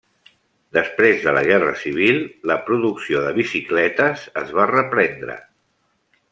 Després de la guerra civil, la producció de bicicletes es va reprendre.